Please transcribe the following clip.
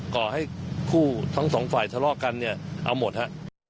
ก่อให้คู่ทั้งสองฝ่ายทะเลาะกันเนี่ยเอาหมดฮะ